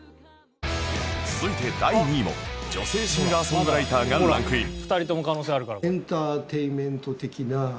続いて第２位も女性シンガーソングライターがランクイン